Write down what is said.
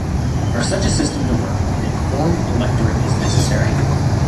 For such a system to work an informed electorate is necessary.